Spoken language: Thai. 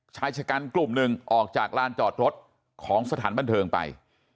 ชายชะกันกลุ่มหนึ่งออกจากลานจอดรถของสถานบันเทิงไป